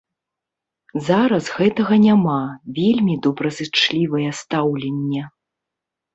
Зараз гэтага няма, вельмі добразычлівае стаўленне.